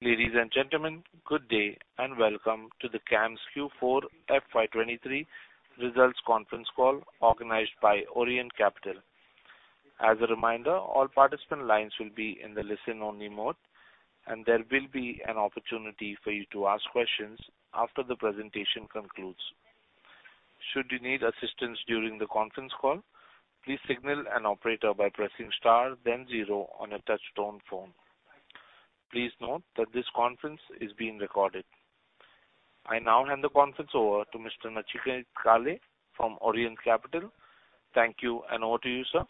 Ladies and gentlemen, good day. Welcome to the CAMS Q4 FY 2023 results conference call organized by Orient Capital. As a reminder, all participant lines will be in the listen-only mode. There will be an opportunity for you to ask questions after the presentation concludes. Should you need assistance during the conference call, please signal an operator by pressing star then zero on your touchtone phone. Please note that this conference is being recorded. I now hand the conference over to Mr. Nachiket Kale from Orient Capital. Thank you. Over to you, sir.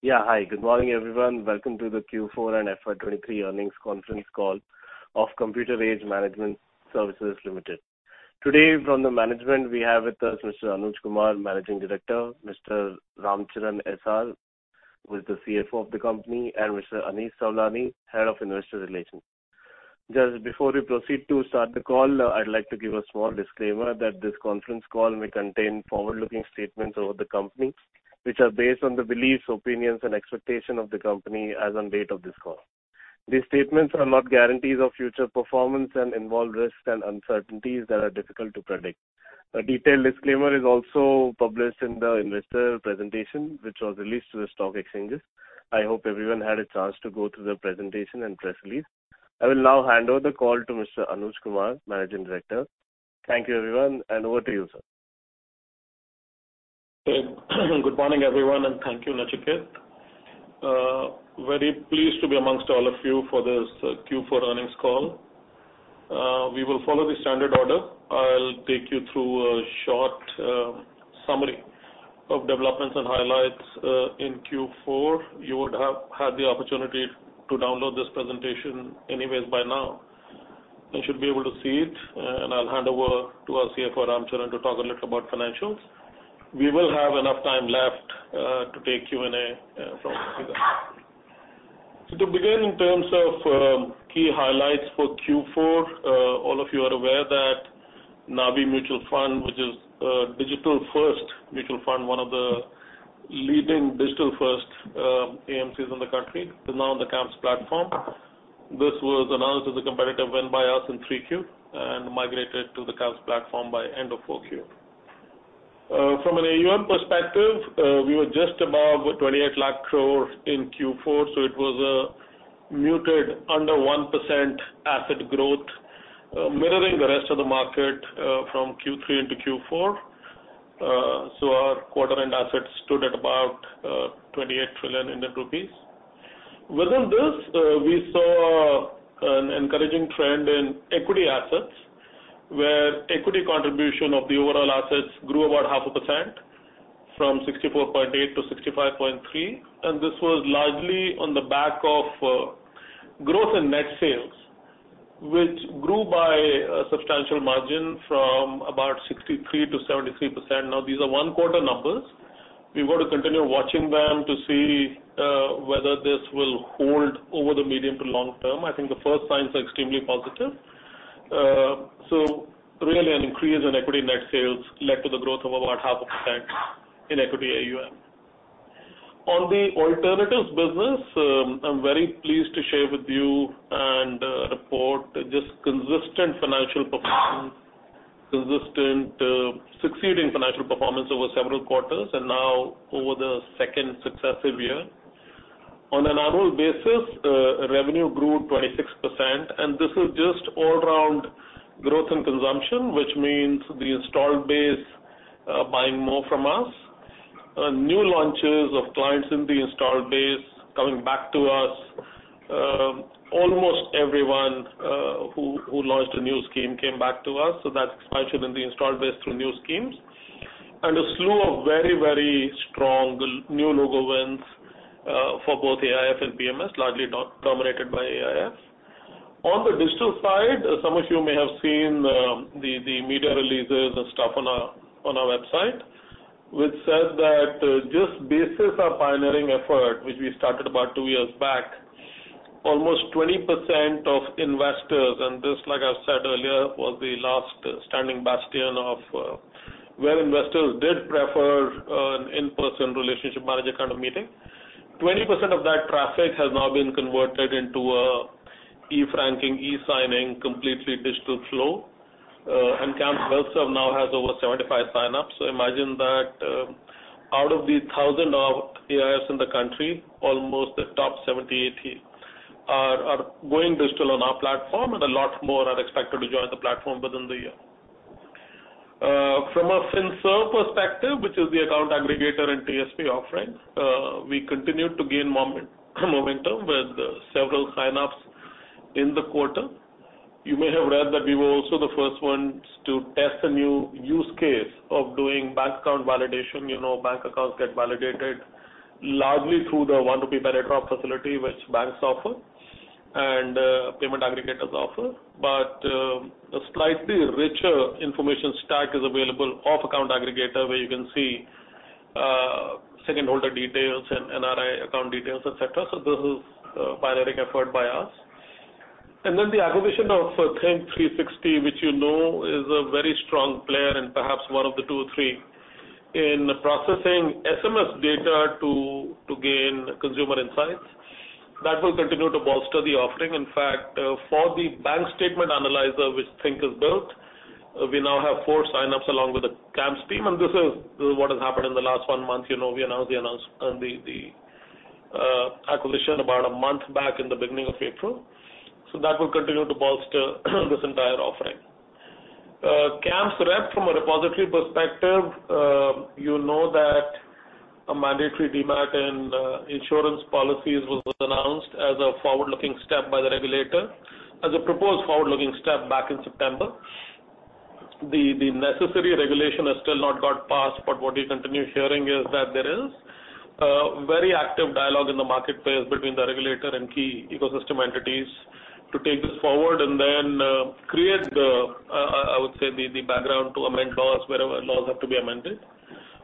Yeah. Hi, good morning, everyone. Welcome to the Q4 and FY 2023 earnings conference call of Computer Age Management Services Limited. Today from the management we have with us Mr. Anuj Kumar, Managing Director, Mr. Ramcharan S.R., who is the CFO of the company, and Mr. Anish Sawlani, Head of Investor Relations. Just before we proceed to start the call, I'd like to give a small disclaimer that this conference call may contain forward-looking statements about the company, which are based on the beliefs, opinions, and expectation of the company as on date of this call. These statements are not guarantees of future performance and involve risks and uncertainties that are difficult to predict. A detailed disclaimer is also published in the investor presentation, which was released to the stock exchanges. I hope everyone had a chance to go through the presentation and press release. I will now hand over the call to Mr. Anuj Kumar, Managing Director. Thank you everyone, and over to you, sir. Good morning, everyone, and thank you, Nachiket. Very pleased to be amongst all of you for this Q4 earnings call. We will follow the standard order. I'll take you through a short summary of developments and highlights in Q4. You would have had the opportunity to download this presentation anyways by now and should be able to see it, and I'll hand over to our CFO, Ramcharan, to talk a little about financials. We will have enough time left to take Q&A from you guys. To begin in terms of key highlights for Q4, all of you are aware that Navi Mutual Fund, which is a digital-first mutual fund, one of the leading digital-first AMCs in the country, is now on the CAMS platform. This was announced as a competitive win by us in 3 Q and migrated to the CAMS platform by end of 4 Q. From an AUM perspective, we were just above 28 lakh crore in Q4, so it was a muted under 1% asset growth, mirroring the rest of the market from Q3 into Q4. Our quarter-end assets stood at about 28 trillion INR. Within this, we saw an encouraging trend in equity assets, where equity contribution of the overall assets grew about half a % from 64.8 to 65.3. This was largely on the back of growth in net sales, which grew by a substantial margin from about 63% to 73%. These are 1-quarter numbers. We've got to continue watching them to see whether this will hold over the medium to long term. I think the first signs are extremely positive. Really an increase in equity net sales led to the growth of about 0.5% in equity AUM. On the alternatives business, I'm very pleased to share with you and report just consistent financial performance. Consistent succeeding financial performance over several quarters and now over the second successive year. On an annual basis, revenue grew 26%. This is just all around growth and consumption, which means the installed base buying more from us. New launches of clients in the installed base coming back to us. Almost everyone who launched a new scheme came back to us. That's expansion in the installed base through new schemes. A slew of very, very strong new logo wins for both AIF and PMS, largely dominated by AIF. On the digital side, some of you may have seen the media releases and stuff on our website, which says that, just basis our pioneering effort, which we started about two years back, almost 20% of investors, and this, like I said earlier, was the last standing bastion of where investors did prefer an in-person relationship manager kind of meeting. 20% of that traffic has now been converted into a e-franking, e-signing, completely digital flow. CAMS itself now has over 75 sign-ups. Imagine that, out of the 1,000 of AIFs in the country, almost the top 70, 80 are going digital on our platform, and a lot more are expected to join the platform within the year. From a FinServ perspective, which is the account aggregator and TSP offering, we continued to gain momentum with several sign-ups in the quarter. You may have read that we were also the first ones to test a new use case of doing bank account validation. You know, bank accounts get validated largely through the 1 rupee per drop facility which banks offer and payment aggregators offer. A slightly richer information stack is available off account aggregator where you can see second holder details and NRI account details, et cetera. This is a pioneering effort by us. The acquisition of Think360, which you know is a very strong player and perhaps one of the two or three in processing SMS data to gain consumer insights. That will continue to bolster the offering. In fact, for the bank statement analyzer which Think360 has built, we now have 4 sign-ups along with the CAMS team, this is what has happened in the last 1 month. You know, we announced the acquisition about 1 month back in the beginning of April. That will continue to bolster this entire offering. CAMSRep from a repository perspective, you know that a mandatory demat in insurance policies was announced as a forward-looking step by the regulator, as a proposed forward-looking step back in September. The necessary regulation has still not got passed. What we continue hearing is that there is a very active dialogue in the marketplace between the regulator and key ecosystem entities to take this forward and then create the, I would say the background to amend laws wherever laws have to be amended.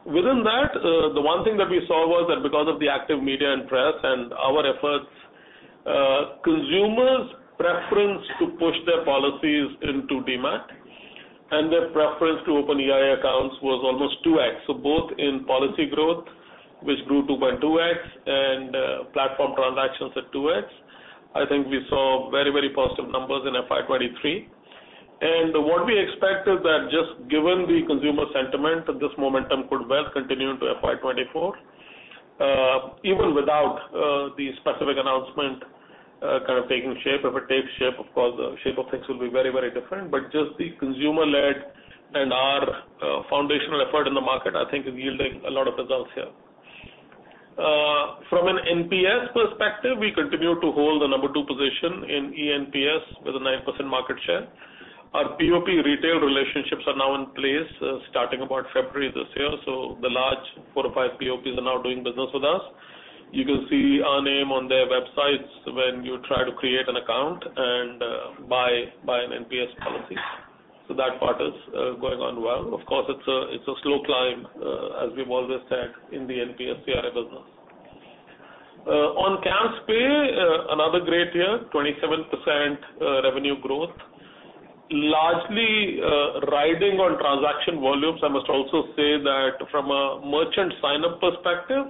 Within that, the one thing that we saw was that because of the active media and press and our efforts, consumers' preference to push their policies into Demat and their preference to open EIA accounts was almost 2x. Both in policy growth, which grew 2.2x and platform transactions at 2x. I think we saw very, very positive numbers in FY 2023. What we expect is that just given the consumer sentiment, this momentum could well continue into FY 2024 even without the specific announcement kind of taking shape. If it takes shape, of course, the shape of things will be very, very different. Just the consumer-led and our foundational effort in the market, I think is yielding a lot of results here. From an NPS perspective, we continue to hold the number two position in eNPS with a 9% market share. Our PoP retail relationships are now in place starting about February this year. The large four or five PoPs are now doing business with us. You can see our name on their websites when you try to create an account and buy an NPS policy. That part is going on well. Of course, it's a slow climb, as we've always said in the NPS CRA business. On CAMSPay, another great year, 27% revenue growth, largely riding on transaction volumes. I must also say that from a merchant sign-up perspective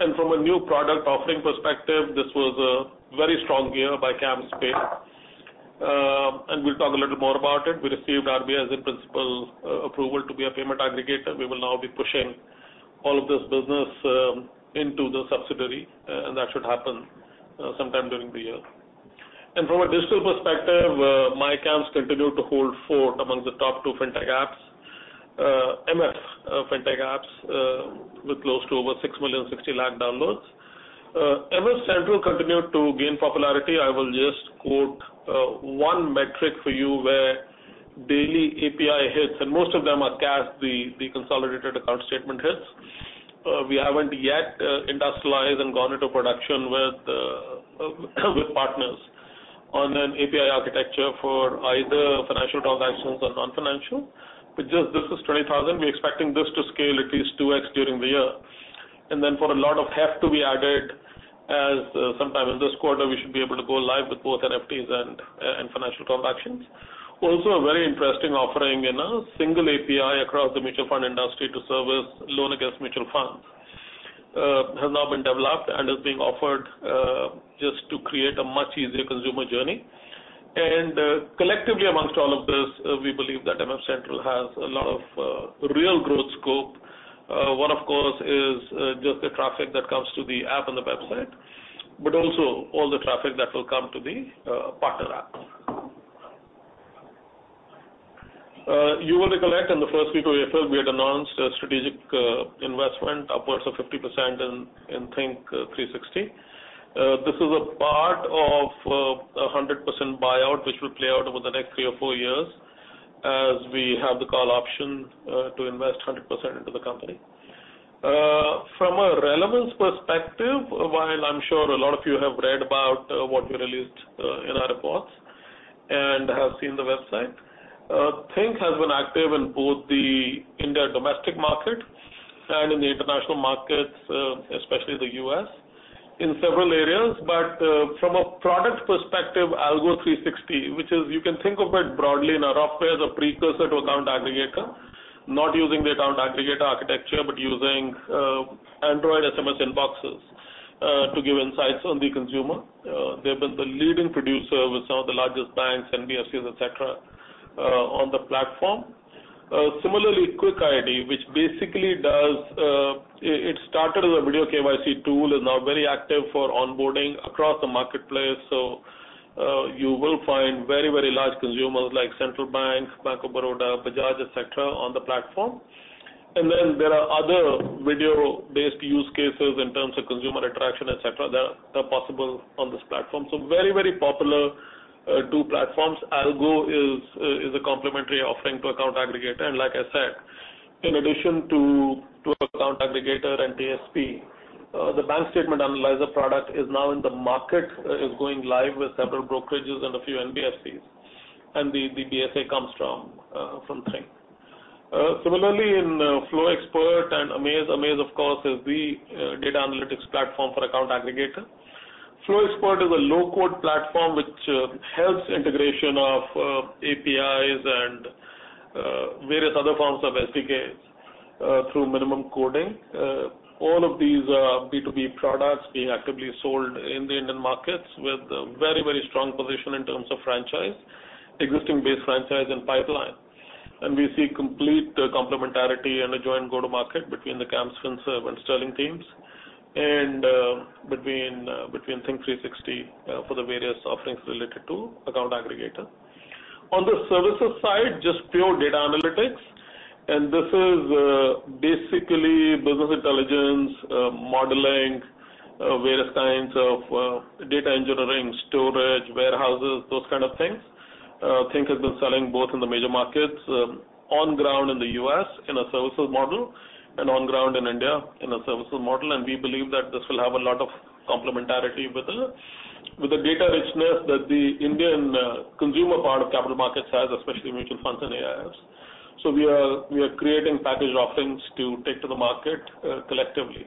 and from a new product offering perspective, this was a very strong year by CAMSPay. We'll talk a little more about it. We received RBI as in principle approval to be a payment aggregator. We will now be pushing all of this business into the subsidiary, that should happen sometime during the year. From a digital perspective, myCAMS continued to hold fort among the top two Fintech apps, MF Fintech apps, with close to over 6 million 60 lakh downloads. MFCentral continued to gain popularity. I will just quote 1 metric for you where daily API hits, and most of them are CAS, the consolidated account statement hits. We haven't yet industrialized and gone into production with partners on an API architecture for either financial transactions or non-financial. Just this is 20,000. We're expecting this to scale at least 2x during the year. For a lot of heft to be added as sometime in this quarter, we should be able to go live with both NFTs and financial transactions. Also a very interesting offering in a single API across the mutual fund industry to service loan against mutual funds has now been developed and is being offered just to create a much easier consumer journey. Collectively amongst all of this, we believe that MFCentral has a lot of real growth scope. One, of course, is just the traffic that comes to the app and the website, but also all the traffic that will come to the partner app. You will recollect in the first week of April, we had announced a strategic investment upwards of 50% in Think360 AI. This is a part of a 100% buyout, which will play out over the next three or four years as we have the call option to invest 100% into the company. From a relevance perspective, while I'm sure a lot of you have read about what we released in our reports and have seen the website, Think360 has been active in both the India domestic market and in the international markets, especially the U.S., in several areas. From a product perspective, Algo360, which is you can think of it broadly in a rough way as a precursor to Account Aggregator, not using the Account Aggregator architecture, but using Android SMS inboxes to give insights on the consumer. They've been the leading producer with some of the largest banks, NBFCs, et cetera, on the platform. Similarly, KwikID, which basically does, it started as a Video KYC tool, is now very active for onboarding across the marketplace. you will find very, very large consumers like Central Bank, Bank of Baroda, Bajaj, et cetera, on the platform. there are other video-based use cases in terms of consumer interaction, et cetera, that are possible on this platform. very, very popular two platforms. Algo360 is a complementary offering to Account Aggregator. like I said, in addition to Account Aggregator and DSP, the bank statement analyzer product is now in the market, is going live with several brokerages and a few NBFCs. the BSA comes from Think360. similarly in FlowXpert and AAmaze. AAmaze, of course, is the data analytics platform for Account Aggregator. FlowXpert is a low-code platform which helps integration of APIs and various other forms of SDKs through minimum coding. All of these B2B products being actively sold in the Indian markets with a very, very strong position in terms of franchise, existing base franchise and pipeline. We see complete complementarity and a joint go-to-market between the CAMS FinServ and Sterling teams between Think360 for the various offerings related to account aggregator. On the services side, just pure data analytics. This is basically business intelligence modeling, various kinds of data engineering, storage, warehouses, those kind of things. Think360 has been selling both in the major markets on ground in the US in a services model and on ground in India in a services model. We believe that this will have a lot of complementarity with the, with the data richness that the Indian consumer part of capital markets has, especially mutual funds and AIFs. We are, we are creating packaged offerings to take to the market collectively.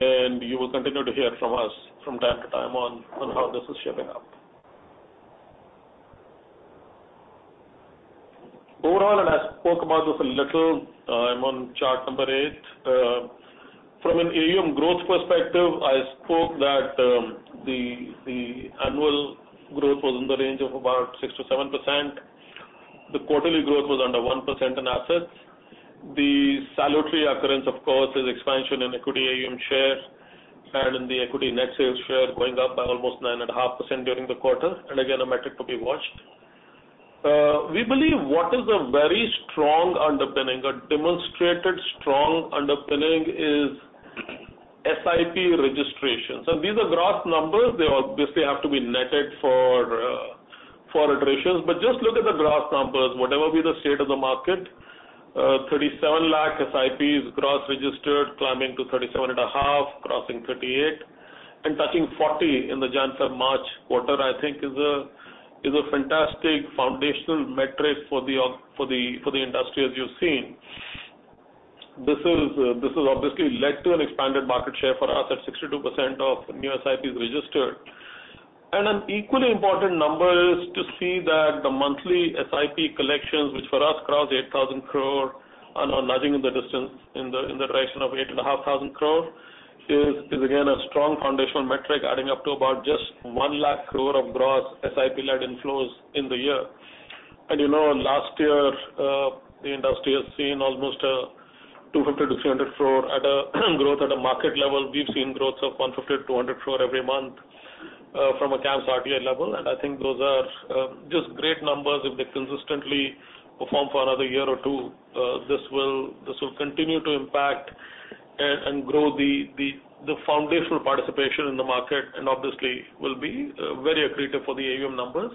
You will continue to hear from us from time to time on how this is shaping up. Overall, and I spoke about this a little, I'm on chart number eight. From an AUM growth perspective, I spoke that the annual growth was in the range of about 6%-7%. The quarterly growth was under 1% in assets. The salutary occurrence, of course, is expansion in equity AUM share and in the equity net sales share going up by almost 9.5% during the quarter, and again, a metric to be watched. We believe what is a very strong underpinning, a demonstrated strong underpinning is SIP registrations. These are gross numbers. They obviously have to be netted for iterations. Just look at the gross numbers. Whatever be the state of the market, 37 lakh SIPs gross registered, climbing to 37.5, crossing 38 and touching 40 in the January to March quarter, I think is a fantastic foundational metric for the industry as you've seen. This has obviously led to an expanded market share for us at 62% of new SIPs registered. An equally important number is to see that the monthly SIP collections, which for us crossed 8,000 crore and are nudging in the distance in the direction of 8,500 crore, is again a strong foundational metric adding up to about just 1 lakh crore of gross SIP-led inflows in the year. You know last year, the industry has seen almost 200 crore-300 crore at a growth at a market level. We've seen growth of 150 crore-200 crore every month from a CAMS RTA level, and I think those are just great numbers. If they consistently perform for another one or two years, this will continue to impact and grow the foundational participation in the market and obviously will be very accretive for the AUM numbers.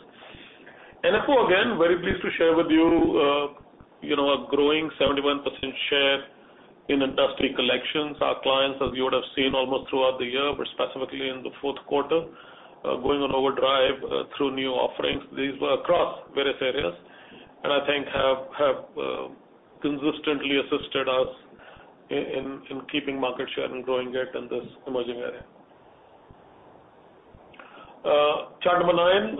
NFO again, very pleased to share with you know, a growing 71% share in industry collections. Our clients, as you would have seen almost throughout the year, but specifically in the fourth quarter, going on overdrive through new offerings. These were across various areas and I think have consistently assisted us in keeping market share and growing it in this emerging area. Chart number 9.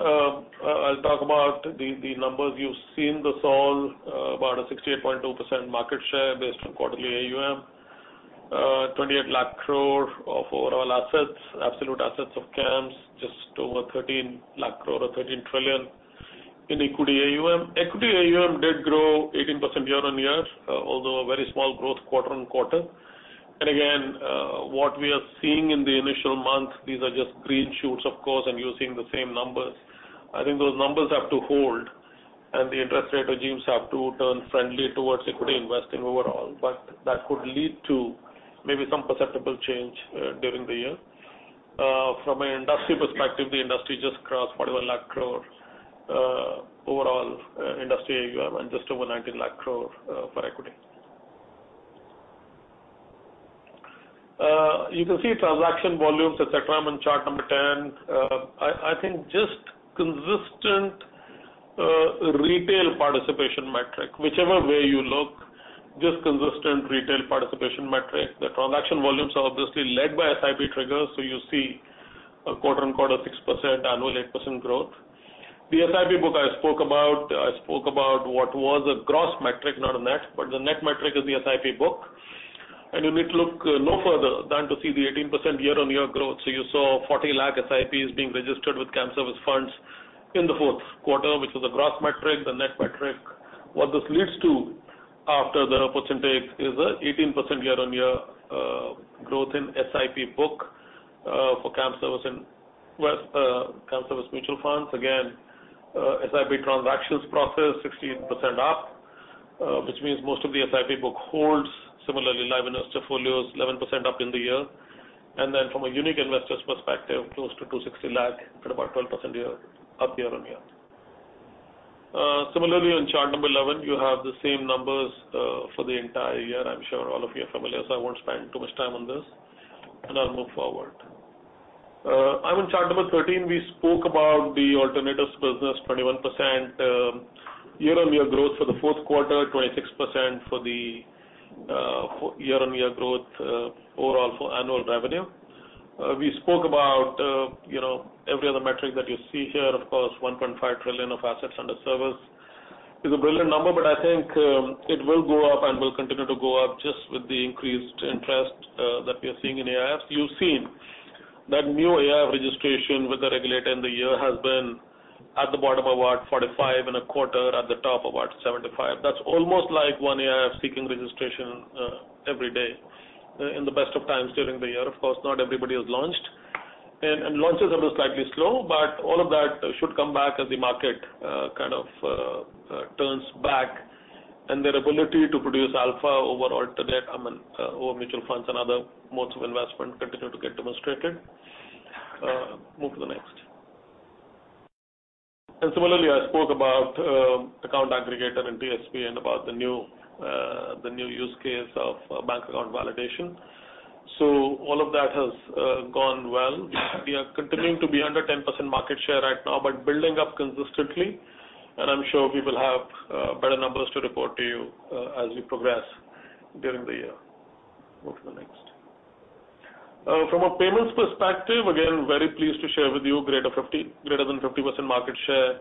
I'll talk about the numbers. You've seen this all, about a 68.2% market share based on quarterly AUM. 28 lakh crore of overall assets, absolute assets of CAMS, just over 13 lakh crore or 13 trillion in equity AUM. Equity AUM did grow 18% year-on-year, although a very small growth quarter-on-quarter. Again, what we are seeing in the initial months, these are just green shoots, of course, and using the same numbers. I think those numbers have to hold and the interest rate regimes have to turn friendly towards equity investing overall. That could lead to maybe some perceptible change during the year. From an industry perspective, the industry just crossed 41 lakh crore overall industry AUM and just over 19 lakh crore for equity. You can see transaction volumes, et cetera, on chart number 10. I think just consistent retail participation metric, whichever way you look, just consistent retail participation metric. The transaction volumes are obviously led by SIP triggers. You see a quarter-on-quarter 6%, annual 8% growth. The SIP book I spoke about what was a gross metric, not a net, but the net metric is the SIP book. You need to look no further than to see the 18% year-on-year growth. You saw 40 lakh SIPs being registered with CAMS service funds in the fourth quarter, which was a gross metric, the net metric. What this leads to after the proportionate take is a 18% year-on-year growth in SIP book for CAMS service and CAMS service mutual funds. SIP transactions processed 16% up, which means most of the SIP book holds similarly live investor folios 11% up in the year. From a unique investor's perspective, close to 260 lakh at about 12% up year-on-year. Similarly on chart number 11, you have the same numbers for the entire year. I'm sure all of you are familiar, so I won't spend too much time on this, and I'll move forward. I'm on chart number 13. We spoke about the alternatives business, 21% year-on-year growth for the fourth quarter, 26% for the year-on-year growth overall for annual revenue. We spoke about, you know, every other metric that you see here. Of course, 1.5 trillion of assets under service is a brilliant number, I think it will go up and will continue to go up just with the increased interest that we are seeing in AIFs. You've seen that new AIF registration with the regulator in the year has been at the bottom of our 45.25 at the top of our 75. That's almost like one AIF seeking registration, every day in the best of times during the year. Not everybody has launched, and launches are a little slightly slow, but all of that should come back as the market, kind of, turns back and their ability to produce alpha over alternate, I mean, over mutual funds and other modes of investment continue to get demonstrated. Move to the next. Similarly, I spoke about account aggregator and TSP and about the new, the new use case of bank account validation. All of that has gone well. We are continuing to be under 10% market share right now, but building up consistently, and I'm sure we will have better numbers to report to you as we progress during the year. Move to the next. From a payments perspective, again, very pleased to share with you greater than 50% market share.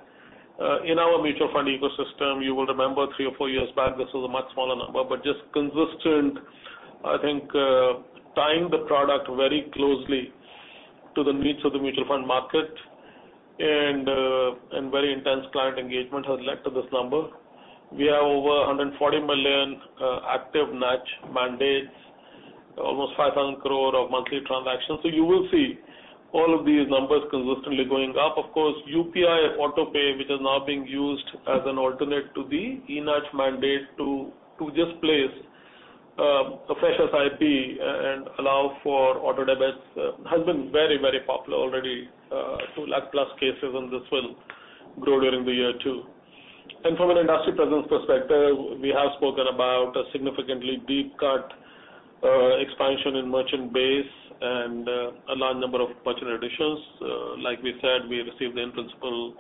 In our mutual fund ecosystem, you will remember three or four years back, this was a much smaller number. Just consistent, I think, tying the product very closely to the needs of the mutual fund market and very intense client engagement has led to this number. We have over 140 million active NACH mandates, almost 500 crore of monthly transactions. You will see all of these numbers consistently going up. Of course, UPI AutoPay, which is now being used as an alternate to the E NACH mandate to just place a fresh SIP and allow for auto debits, has been very, very popular already. 2 lakh plus cases, this will grow during the year too. From an industry presence perspective, we have spoken about a significantly deep cut expansion in merchant base and a large number of merchant additions. Like we said, we have received the in-principle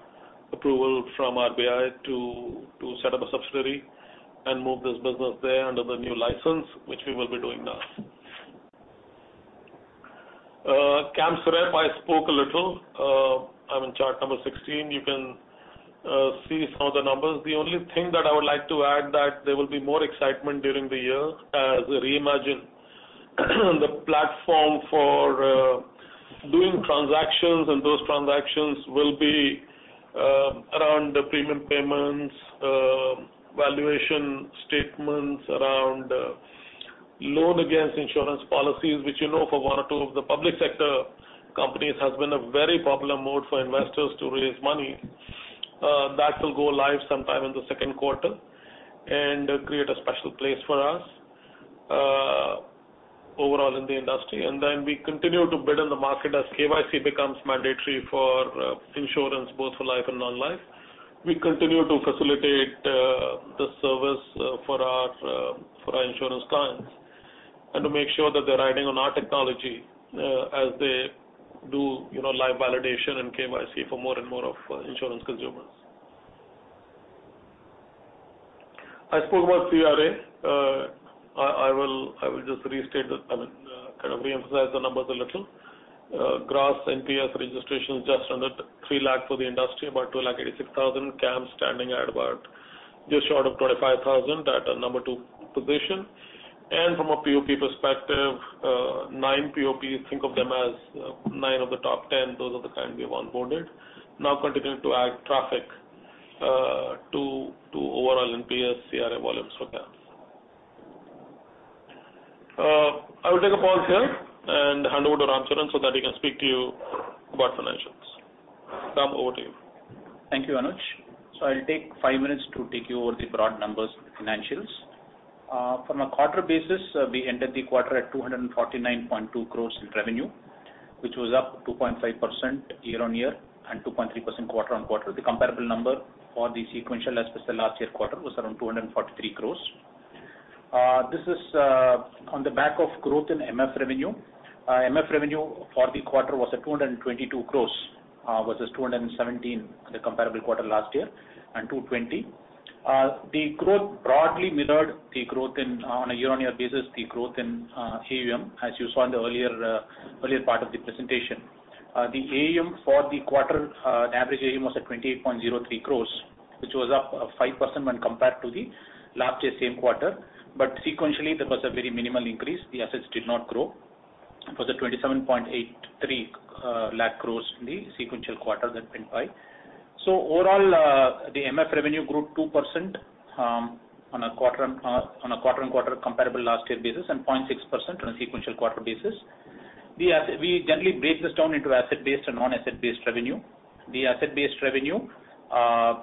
approval from RBI to set up a subsidiary and move this business there under the new license, which we will be doing now. CAMSRep, I spoke a little. I'm in chart number 16. You can see some of the numbers. The only thing that I would like to add that there will be more excitement during the year as we reimagine the platform for doing transactions, and those transactions will be around the premium payments, valuation statements around loan against insurance policies, which you know for one or two of the public sector companies has been a very popular mode for investors to raise money. That will go live sometime in the second quarter and create a special place for us overall in the industry. We continue to build in the market as KYC becomes mandatory for insurance both for life and non-life. We continue to facilitate this service for our for our insurance clients and to make sure that they're riding on our technology as they do, you know, live validation and KYC for more and more of insurance consumers. I spoke about CRA. I will just restate that, I mean, kind of reemphasize the numbers a little. Gross NPS registration just under 3 lakh for the industry, about 2,86,000. CAMS standing at about just short of 25,000 at a number two position. From a POP perspective, nine POPs, think of them as nine of the top 10. Those are the kind we have onboarded. Now continuing to add traffic to overall NPS CRA volumes for CAMS. I will take a pause here and hand over to Ram Charan so that he can speak to you about financials. Ram, over to you. Thank you, Anuj. I'll take five minutes to take you over the broad numbers financials. From a quarter basis, we ended the quarter at 249.2 crores in revenue, which was up 2.5% year-on-year and 2.3% quarter-on-quarter. The comparable number for the sequential as with the last year quarter was around 243 crores. This is on the back of growth in MF revenue. MF revenue for the quarter was at 222 crores versus 217 the comparable quarter last year and 220. The growth broadly mirrored the growth in, on a year-on-year basis, the growth in AUM, as you saw in the earlier part of the presentation. The AUM for the quarter, the average AUM was at 28.03 crores, which was up 5% when compared to the last year same quarter. Sequentially, there was a very minimal increase. The assets did not grow. It was at 27.83 lakh crores in the sequential quarter that went by. Overall, the MF revenue grew 2% on a quarter-on-quarter comparable last year basis and 0.6% on a sequential quarter basis. We generally break this down into asset-based and non-asset-based revenue. The asset-based revenue,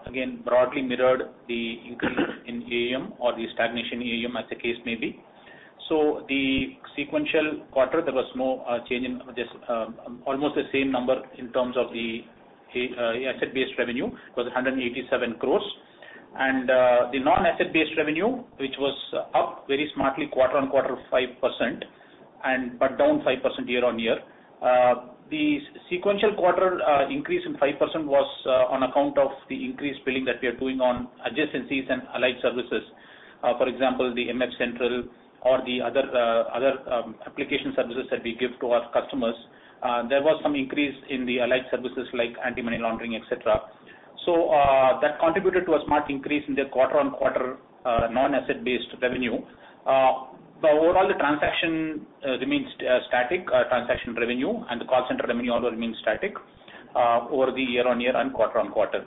again, broadly mirrored the increase in AUM or the stagnation AUM as the case may be. The sequential quarter, there was no change in this, almost the same number in terms of the asset-based revenue. It was 187 crore. The non-asset-based revenue, which was up very smartly quarter-on-quarter of 5% and but down 5% year-on-year. The sequential quarter increase in 5% was on account of the increased billing that we are doing on adjacencies and allied services. For example, the MFCentral or the other other application services that we give to our customers. There was some increase in the allied services like anti-money laundering, et cetera. That contributed to a smart increase in the quarter-on-quarter non-asset-based revenue. Overall, the transaction remains static, transaction revenue and the call center revenue also remains static over the year-on-year and quarter-on-quarter.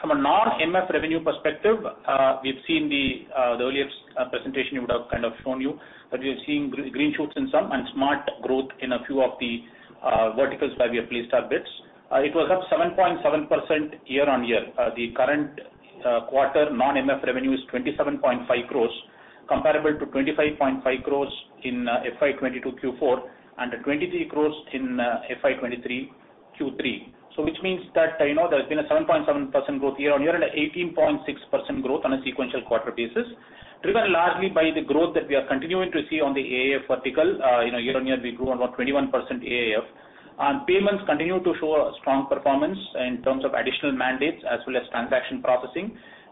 From a non-MF revenue perspective, we've seen the earlier presentation would have kind of shown you that we are seeing green shoots in some and smart growth in a few of the verticals where we have placed our bets. It was up 7.7% year-on-year. The current quarter non-MF revenue is 27.5 crores, comparable to 25.5 crores in FY 2022 Q4 and 23 crores in FY 2023 Q3. Which means that, you know, there's been a 7.7% growth year-on-year and 18.6% growth on a sequential quarter basis, driven largely by the growth that we are continuing to see on the AAF vertical. You know, year-on-year, we grew about 21% AAF. Payments continue to show a strong performance in terms of additional mandates as well as transaction processing,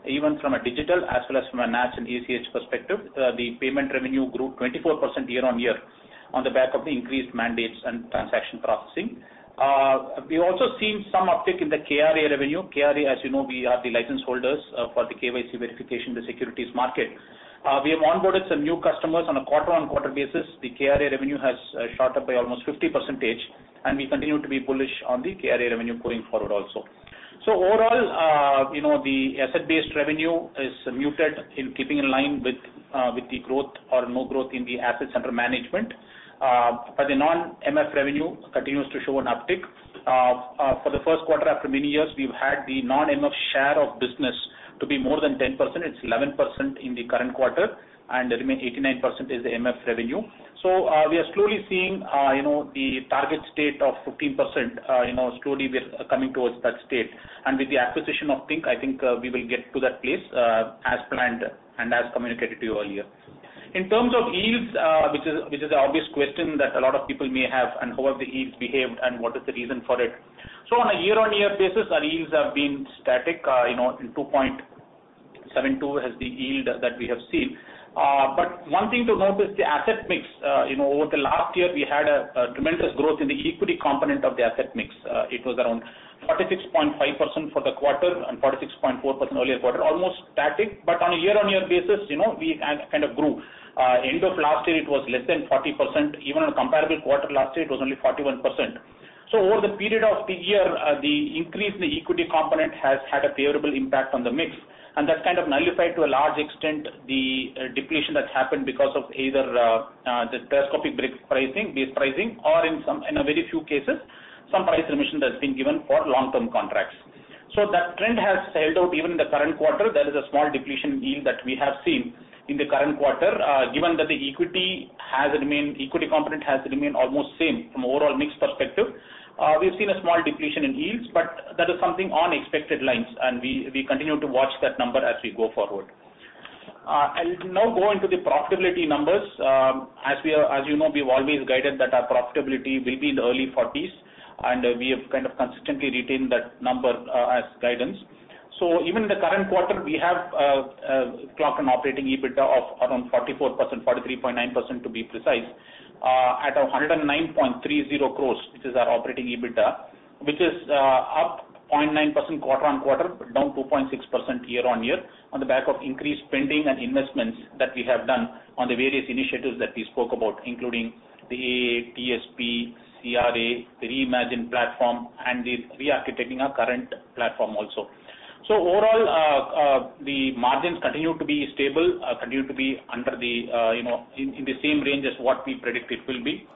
even from a digital as well as from a NACH and ACH perspective. The payment revenue grew 24% year-on-year on the back of the increased mandates and transaction processing. We've also seen some uptick in the CRA revenue. CRA, as you know, we are the license holders for the KYC verification in the securities market. We have onboarded some new customers on a quarter-on-quarter basis. The CRA revenue has shot up by almost 50%, and we continue to be bullish on the CRA revenue going forward also. Overall, you know, the asset-based revenue is muted in keeping in line with the growth or no growth in the assets under management. The non-MF revenue continues to show an uptick. For the first quarter after many years, we've had the non-MF share of business to be more than 10%. It's 11% in the current quarter, and the remaining 89% is the MF revenue. We are slowly seeing, you know, the target state of 15%. You know, slowly we are coming towards that state. With the acquisition of Think360, I think, we will get to that place, as planned and as communicated to you earlier. In terms of yields, which is the obvious question that a lot of people may have and how have the yields behaved and what is the reason for it. On a year-on-year basis, our yields have been static. You know, 2.72 is the yield that we have seen. One thing to note is the asset mix. You know, over the last year, we had a tremendous growth in the equity component of the asset mix. It was around 46.5% for the quarter and 46.4% earlier quarter, almost static. On a year-on-year basis, you know, we had kind of grew. End of last year, it was less than 40%. Even on a comparable quarter last year, it was only 41%. Over the period of the year, the increase in the equity component has had a favorable impact on the mix, and that's kind of nullified to a large extent the depletion that's happened because of either the telescopic base pricing or in a very few cases, some price remission that's been given for long-term contracts. That trend has held out even in the current quarter. There is a small depletion yield that we have seen in the current quarter. Given that the equity component has remained almost same from overall mix perspective. We've seen a small depletion in yields, but that is something on expected lines, and we continue to watch that number as we go forward. I'll now go into the profitability numbers. As you know, we've always guided that our profitability will be in the early 40s, and we have kind of consistently retained that number as guidance. Even in the current quarter, we have clocked an operating EBITDA of around 44%, 43.9% to be precise, at 109.30 crores, which is our operating EBITDA, which is up 0.9% quarter-on-quarter, but down 2.6% year-on-year on the back of increased spending and investments that we have done on the various initiatives that we spoke about, including the AAF, TSP, CRA, the Reimagine platform, and the re-architecting our current platform also. ns continue to be stable, continue to be in the same range as what we predict it will be.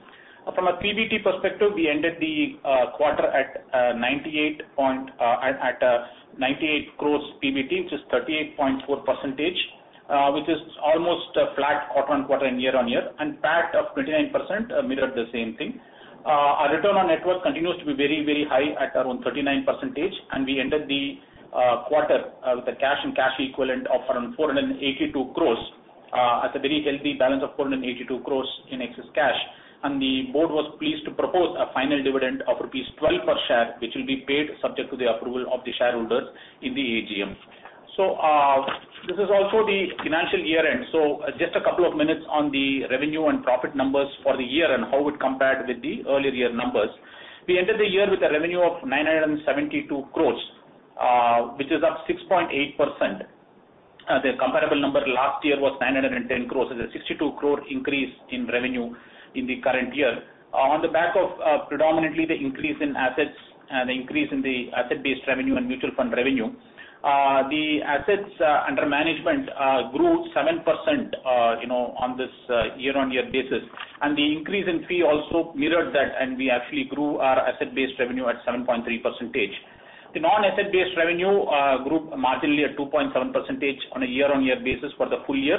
From a PBT perspective, we ended the quarter at 98 crores PBT, which is 38.4%, which is almost flat quarter-on-quarter and year-on-year, and PAT of 29% mirrored the same thing. Our return on network continues to be very, very high at around 39%, and we ended the quarter with a cash and cash equivalent of around 482 crores, at a very healthy balance of 482 crores in excess cash. The board was pleased to propose a final dividend of rupees 12 per share, which will be paid subject to the approval of the shareholders in the AGM. This is also the financial year-end, just a couple of minutes on the revenue and profit numbers for the year and how it compared with the earlier year numbers. We ended the year with a revenue of 972 crores, which is up 6.8%. The comparable number last year was 910 crores. It's a 62 crore increase in revenue in the current year. On the back of predominantly the increase in assets and the increase in the asset-based revenue and mutual fund revenue. The assets under management grew 7% on this year-on-year basis. The increase in fee also mirrored that, and we actually grew our asset-based revenue at 7.3%. The non-asset-based revenue grew marginally at 2.7% on a year-on-year basis for the full year.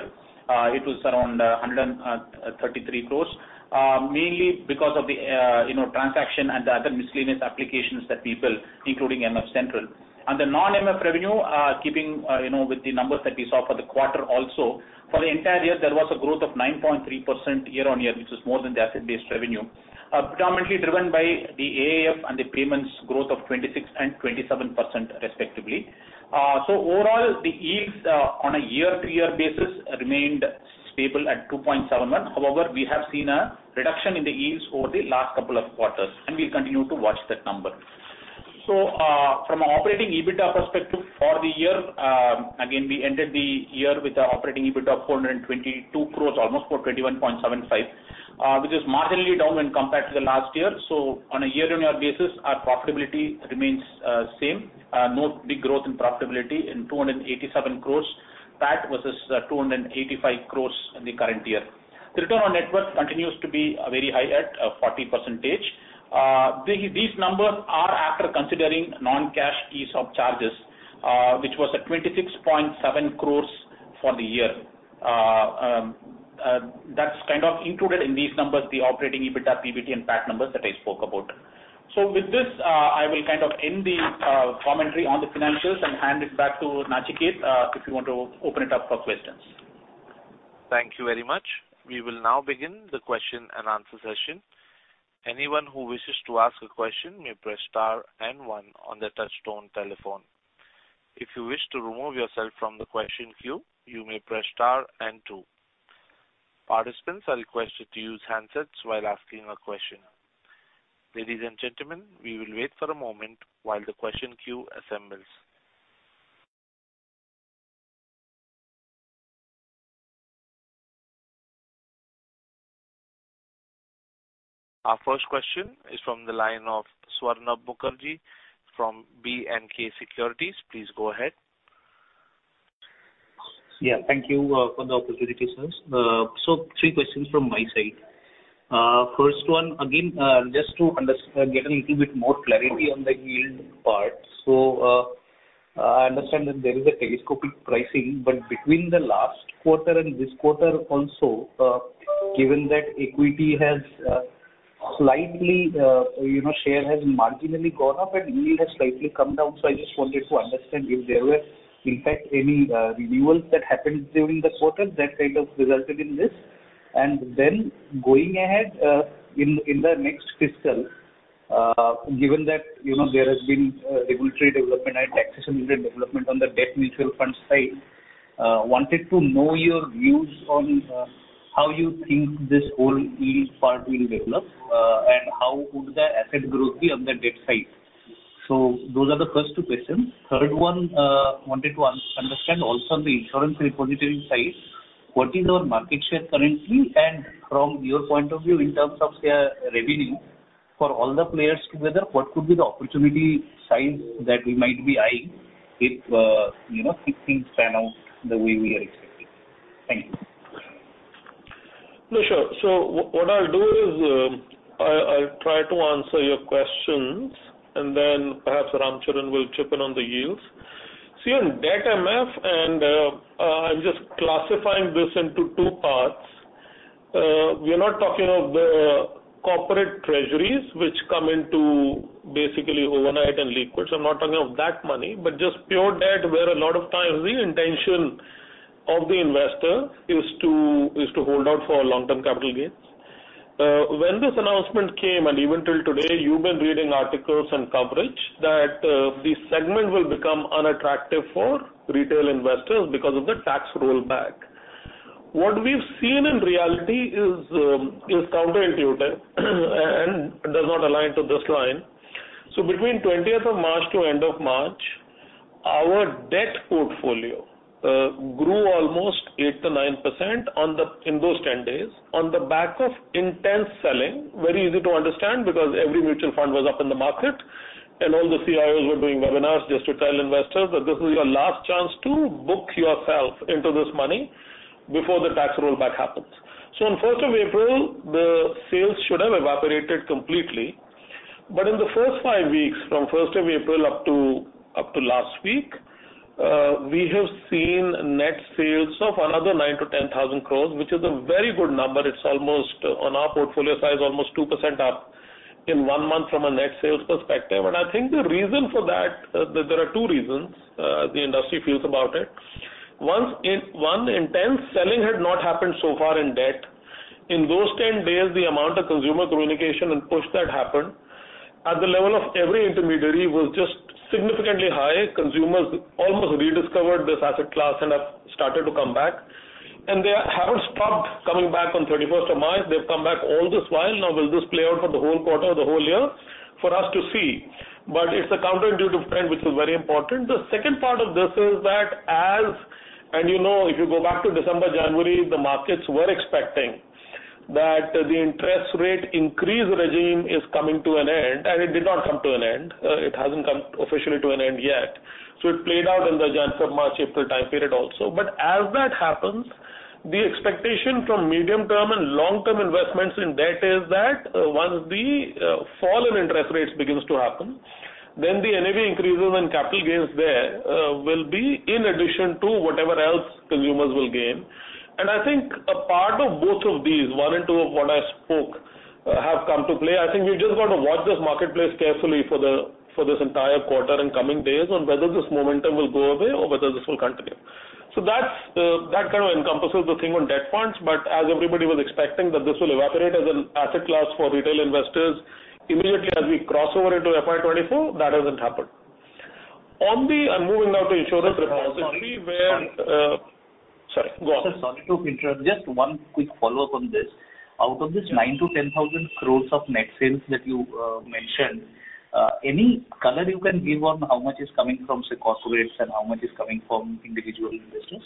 It was around 133 crores, mainly because of the, you know, transaction and the other miscellaneous applications that we built, including MFCentral. The non-MF revenue, keeping, you know, with the numbers that we saw for the quarter also, for the entire year there was a growth of 9.3% year-on-year, which is more than the asset-based revenue. Predominantly driven by the AAF and the payments growth of 26% and 27% respectively. Overall, the yields on a year-to-year basis remained stable at 2.7%. We have seen a reduction in the yields over the last couple of quarters, and we'll continue to watch that number. From an operating EBITDA perspective for the year, again, we ended the year with our operating EBITDA of 422 crores, almost 421.75, which is marginally down when compared to the last year. On a year-on-year basis, our profitability remains same. No big growth in profitability in 287 crores. That was 285 crores in the current year. The return on network continues to be very high at 40%. These numbers are after considering non-cash ESOP charges, which was at 26.7 crores for the year. That's kind of included in these numbers, the operating EBITDA, PBT and PAT numbers that I spoke about. With this, I will kind of end the commentary on the financials and hand it back to Nachiket, if you want to open it up for questions. Thank you very much. We will now begin the question and answer session. Anyone who wishes to ask a question may press star and one on their touchtone telephone. If you wish to remove yourself from the question queue, you may press star and two. Participants are requested to use handsets while asking a question. Ladies and gentlemen, we will wait for a moment while the question queue assembles. Our first question is from the line of Swarnabha Mukherjee from B&K Securities. Please go ahead. Yeah, thank you, for the opportunity. Three questions from my side. First one, again, just to get a little bit more clarity on the yield part. I understand that there is a telescopic pricing, but between the last quarter and this quarter also, given that equity has, slightly, you know, share has marginally gone up and yield has slightly come down. I just wanted to understand if there were in fact any, renewals that happened during the quarter that kind of resulted in this. Then going ahead, in the next fiscal, given that, you know, there has been regulatory development and taxation related development on the debt mutual fund side, wanted to know your views on how you think this whole yield part will develop, and how would the asset growth be on the debt side. Those are the first two questions. Third one, wanted to understand also on the insurance repository side, what is your market share currently? From your point of view, in terms of their revenue for all the players together, what could be the opportunity size that we might be eyeing if, you know, things pan out the way we are expecting? Thank you. Sure. What I'll do is, I'll try to answer your questions and then perhaps Ram Charan will chip in on the yields. On debt MF and, I'm just classifying this into two parts. We are not talking of the corporate treasuries, which come into basically overnight and liquids. I'm not talking of that money, but just pure debt, where a lot of times the intention of the investor is to hold out for long-term capital gains. When this announcement came, even till today, you've been reading articles and coverage that this segment will become unattractive for retail investors because of the tax rollback. What we've seen in reality is counterintuitive and does not align to this line. Between 20th of March to end of March, our debt portfolio grew almost 8%-9% in those 10 days on the back of intense selling. Very easy to understand because every mutual fund was up in the market and all the CIOs were doing webinars just to tell investors that this is your last chance to book yourself into this money before the tax rollback happens. On 1st of April, the sales should have evaporated completely. In the first five weeks from 1st of April up to last week, we have seen net sales of another 9,000 crores-10,000 crores, which is a very good number. It's almost, on our portfolio size, almost 2% up in one month from a net sales perspective. I think the reason for that, there are two reasons the industry feels about it. One, intense selling had not happened so far in debt. In those 10 days, the amount of consumer communication and push that happened at the level of every intermediary was just significantly high. Consumers almost rediscovered this asset class and have started to come back, and they haven't stopped coming back on 31st of March. They've come back all this while. Now, will this play out for the whole quarter or the whole year? For us to see. It's a counterintuitive trend, which is very important. The second part of this is that you know, if you go back to December, January, the markets were expecting that the interest rate increase regime is coming to an end and it did not come to an end. It hasn't come officially to an end yet. It played out in the January, February, March, April time period also. As that happens, the expectation from medium-term and long-term investments in debt is that, once the fall in interest rates begins to happen. The NAV increases and capital gains there will be in addition to whatever else consumers will gain. I think a part of both of these, one and two of what I spoke, have come to play. I think we just got to watch this marketplace carefully for this entire quarter and coming days on whether this momentum will go away or whether this will continue. That's that kind of encompasses the thing on debt funds. As everybody was expecting that this will evaporate as an asset class for retail investors immediately as we cross over into FY 2024, that hasn't happened. I'm moving now to insurance repository where... Sorry, go on. Sir, sorry to interrupt. Just one quick follow-up on this. Out of this 9,000 crore-10,000 crore of net sales that you mentioned, any color you can give on how much is coming from, say, corporates and how much is coming from individual investors?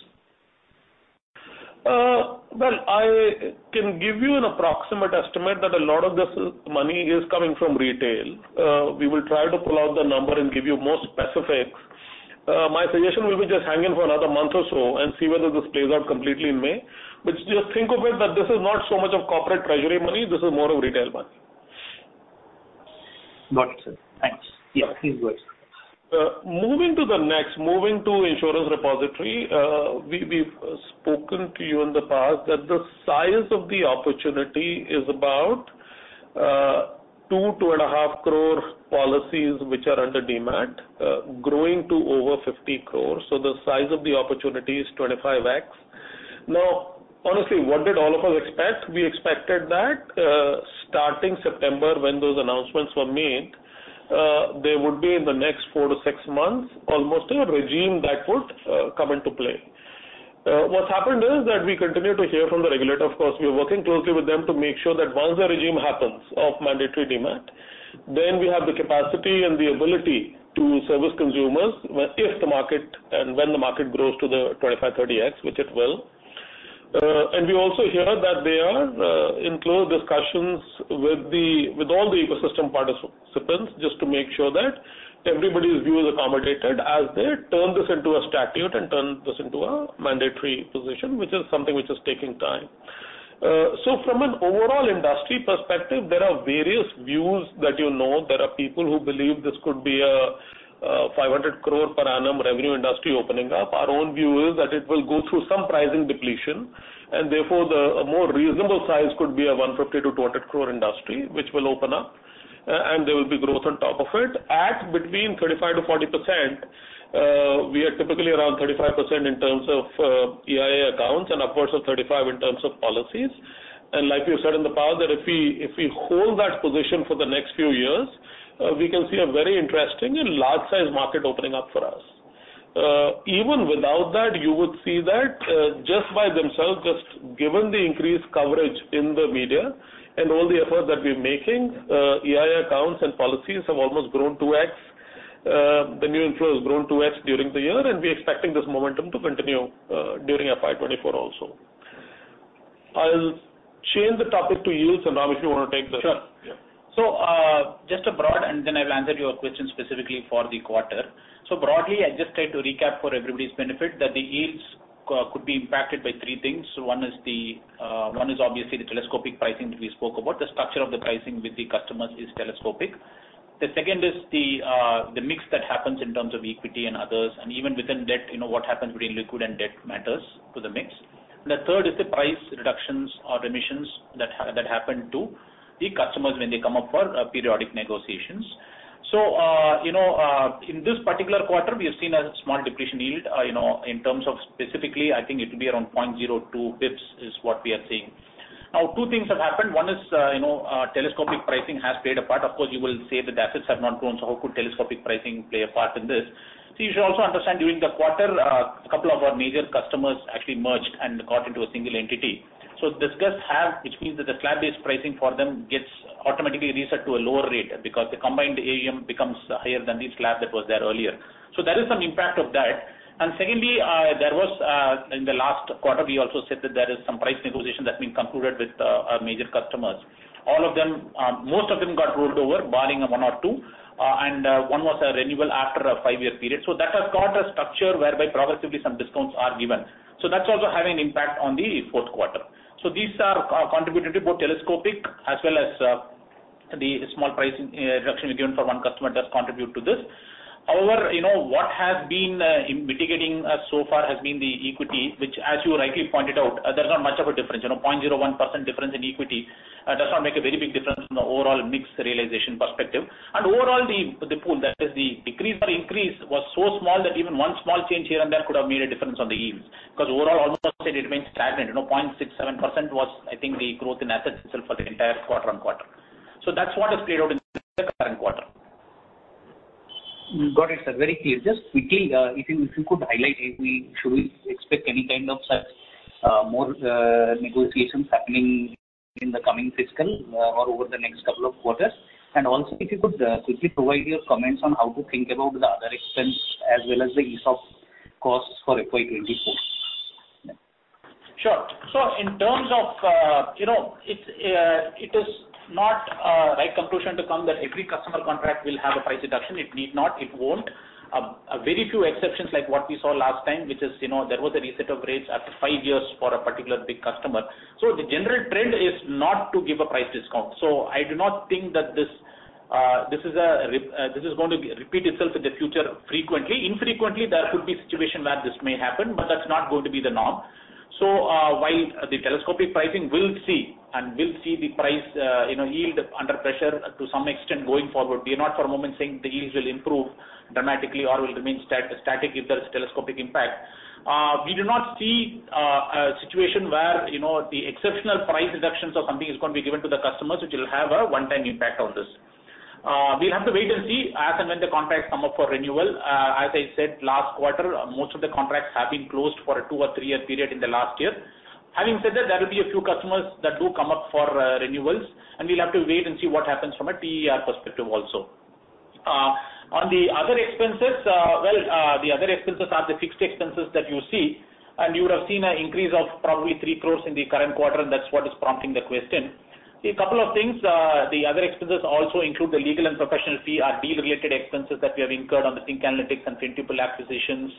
Well, I can give you an approximate estimate that a lot of this money is coming from retail. We will try to pull out the number and give you more specifics. My suggestion will be just hang in for another month or so and see whether this plays out completely in May. Just think of it that this is not so much of corporate treasury money, this is more of retail money. Got it, sir. Thanks. Yeah, please go ahead, sir. Moving to the next. Moving to insurance repository, we've spoken to you in the past that the size of the opportunity is about 2.5 crore policies which are under Demat, growing to over 50 crores. The size of the opportunity is 25x. Honestly, what did all of us expect? We expected that, starting September when those announcements were made, there would be in the next four to six months almost a regime that would come into play. What's happened is that we continue to hear from the regulator. Of course, we are working closely with them to make sure that once the regime happens of mandatory Demat, then we have the capacity and the ability to service consumers if the market and when the market grows to the 25x, 30x, which it will. We also hear that they are in close discussions with all the ecosystem participants just to make sure that everybody's view is accommodated as they turn this into a statute and turn this into a mandatory position, which is something which is taking time. From an overall industry perspective, there are various views that you know. There are people who believe this could be a 500 crore per annum revenue industry opening up. Our own view is that it will go through some pricing depletion and therefore a more reasonable size could be a 150 crore-200 crore industry which will open up, and there will be growth on top of it at between 35%-40%. We are typically around 35% in terms of, EIA accounts and upwards of 35 in terms of policies. Like we've said in the past that if we, if we hold that position for the next few years, we can see a very interesting and large size market opening up for us. Even without that, you would see that, just by themselves, just given the increased coverage in the media and all the efforts that we're making, EIA accounts and policies have almost grown 2x. The new inflow has grown 2x during the year, and we're expecting this momentum to continue, during FY 2024 also. I'll change the topic to yields. Ram, if you wanna take this. Sure. Yeah. Just abroad, and then I'll answer your question specifically for the quarter. Broadly, I just try to recap for everybody's benefit that the yields could be impacted by three things. One is the, one is obviously the telescopic pricing that we spoke about. The structure of the pricing with the customers is telescopic. The second is the mix that happens in terms of equity and others and even within debt, you know, what happens between liquid and debt matters to the mix. The third is the price reductions or remissions that happen to the customers when they come up for periodic negotiations. You know, in this particular quarter we have seen a small depletion yield. You know, in terms of specifically, I think it will be around 0.02 basis points is what we are seeing. Now two things have happened. One is, you know, telescopic pricing has played a part. Of course, you will say that the assets have not grown, so how could telescopic pricing play a part in this? you should also understand during the quarter, a couple of our major customers actually merged and got into a single entity. This does have, which means that the slab-based pricing for them gets automatically reset to a lower rate because the combined AUM becomes higher than the slab that was there earlier. There is some impact of that. secondly, there was in the last quarter we also said that there is some price negotiation that's been concluded with our major customers. Most of them got rolled over barring one or two, and one was a renewal after a five-year period. That has got a structure whereby progressively some discounts are given. That's also having an impact on the fourth quarter. These are contributed to both telescopic as well as the small price reduction we given for one customer does contribute to this. However, you know, what has been mitigating so far has been the equity which, as you rightly pointed out, there's not much of a difference. You know, 0.01% difference in equity does not make a very big difference from the overall mix realization perspective. Overall the pool that is the decrease or increase was so small that even one small change here and there could have made a difference on the yields. 'Cause overall almost I said it remains stagnant. You know, 0.67% was I think the growth in assets itself for the entire quarter-on-quarter. That's what has played out in the current quarter. Got it, sir. Very clear. Just quickly, if you, if you could highlight should we expect any kind of such, more, negotiations happening in the coming fiscal or over the next couple of quarters? If you could, quickly provide your comments on how to think about the other expense as well as the ESOP costs for FY 2024? Sure. In terms of, you know, it's, it is not a right conclusion to come that every customer contract will have a price reduction. It need not, it won't. A very few exceptions like what we saw last time, which is, you know, there was a reset of rates after five years for a particular big customer. The general trend is not to give a price discount. I do not think that this is going to be repeat itself in the future frequently. Infrequently, there could be situation where this may happen, but that's not going to be the norm. While the telescopic pricing will see the price, you know, yield under pressure to some extent going forward, we are not for a moment saying the yields will improve dramatically or will remain static if there is telescopic impact. We do not see a situation where, you know, the exceptional price reductions or something is going to be given to the customers, which will have a one-time impact on this. We'll have to wait and see as and when the contracts come up for renewal. As I said, last quarter, most of the contracts have been closed for a two or three-year period in the last year. Having said that, there will be a few customers that do come up for renewals, and we'll have to wait and see what happens from a PER perspective also. On the other expenses, the other expenses are the fixed expenses that you see, you would have seen a increase of probably 3 crores in the current quarter, that's what is prompting the question. A couple of things. The other expenses also include the legal and professional fee or deal-related expenses that we have incurred on the Think Analytics and Fintuple acquisitions.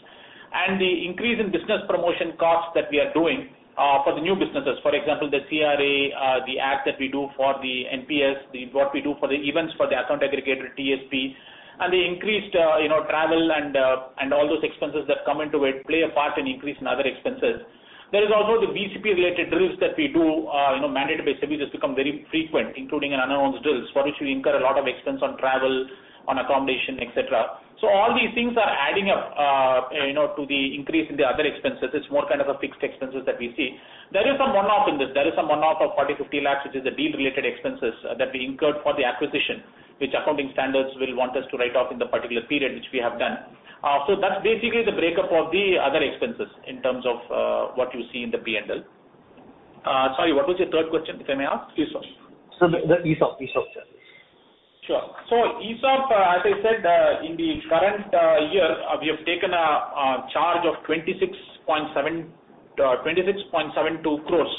The increase in business promotion costs that we are doing for the new businesses, for example, the CRA, the ad that we do for the NPS, what we do for the events for the account aggregator, TSP, and the increased, you know, travel and all those expenses that come into it play a part in increase in other expenses. There is also the BCP-related drills that we do, you know, mandate-based services become very frequent, including an announced drills for which we incur a lot of expense on travel, on accommodation, et cetera. All these things are adding up, you know, to the increase in the other expenses. It's more kind of a fixed expenses that we see. There is some one-off in this. There is some one-off of 40 lakhs-50 lakhs, which is the deal-related expenses that we incurred for the acquisition, which accounting standards will want us to write off in the particular period which we have done. That's basically the breakup of the other expenses in terms of what you see in the P&L. Sorry, what was your third question, if I may ask? Please sir. Sir, the ESOP, sir. ESOP, as I said, in the current year, we have taken a charge of 26.72 crores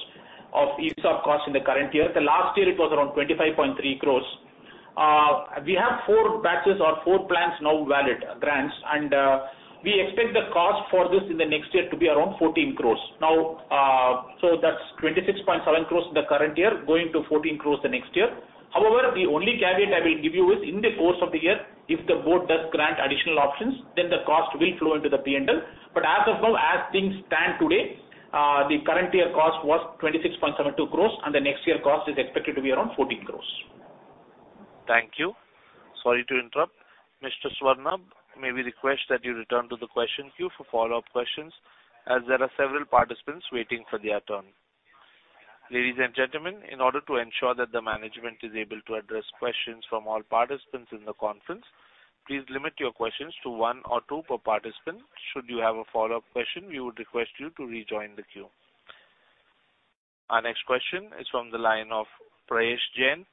of ESOP costs in the current year. The last year it was around 25.3 crores. We have four batches or four plans now valid grants, and we expect the cost for this in the next year to be around 14 crores. That's 26.7 crores in the current year going to 14 crores the next year. However, the only caveat I will give you is in the course of the year, if the board does grant additional options, then the cost will flow into the P&L. As of now, as things stand today, the current year cost was 26.72 crores, and the next year cost is expected to be around 14 crores. Thank you. Sorry to interrupt. Mr. Swarnab, may we request that you return to the question queue for follow-up questions, as there are several participants waiting for their turn. Ladies and gentlemen, in order to ensure that the management is able to address questions from all participants in the conference, please limit your questions to one or two per participant. Should you have a follow-up question, we would request you to rejoin the queue. Our next question is from the line of Prayesh Jain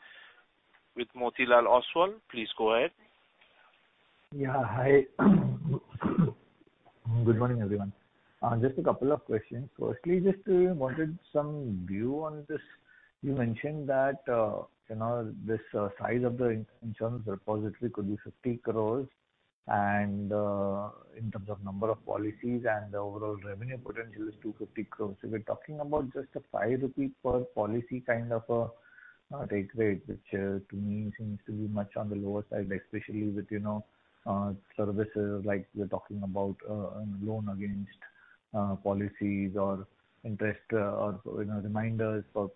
with Motilal Oswal. Please go ahead. Yeah. Hi. Good morning, everyone. just a couple of questions. Firstly, just wanted some view on this. You mentioned that, you know, this size of the insurance repository could be 50 crores and in terms of number of policies and the overall revenue potential is 250 crores. We're talking about just a 5 rupee per policy kind of a take rate, which to me seems to be much on the lower side, especially with, you know, services like we're talking about loan against policies or interest, or, you know, reminders for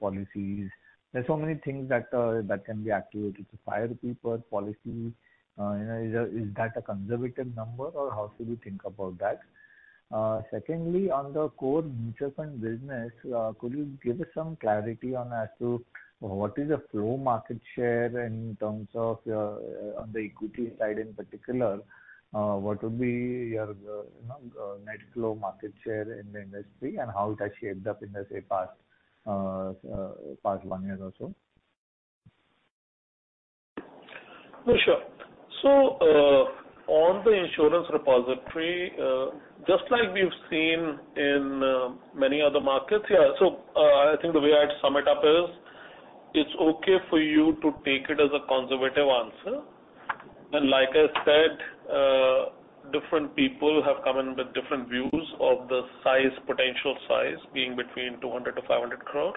policies. There's so many things that can be activated to INR 5 per policy. you know, is that, is that a conservative number, or how should we think about that? Secondly, on the core mutual fund business, could you give us some clarity on as to what is the flow market share in terms of your, on the equity side in particular? What would be your, you know, net flow market share in the industry and how it has shaped up in the, say, past one year or so? Sure. On the insurance repository, just like we've seen in many other markets here. I think the way I'd sum it up is it's okay for you to take it as a conservative answer. Like I said, different people have come in with different views of the size, potential size being between 200 crore-500 crore.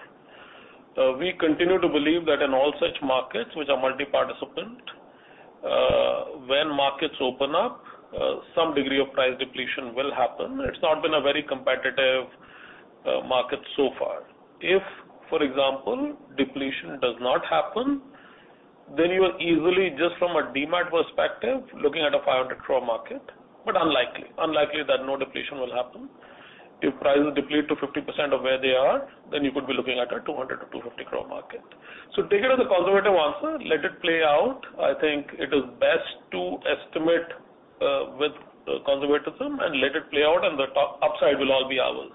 We continue to believe that in all such markets which are multi-participant, when markets open up, some degree of price depletion will happen. It's not been a very competitive market so far. If, for example, depletion does not happen, then you will easily just from a Demat perspective, looking at a 500 crore market, but unlikely that no depletion will happen. If prices deplete to 50% of where they are, you could be looking at an 200 crore-250 crore market. Take it as a conservative answer. Let it play out. I think it is best to estimate with conservatism and let it play out and the upside will all be ours.